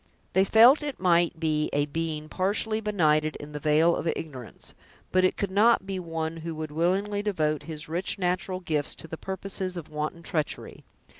They felt it might be a being partially benighted in the vale of ignorance, but it could not be one who would willingly devote his rich natural gifts to the purposes of wanton treachery.